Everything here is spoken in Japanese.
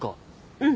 うん。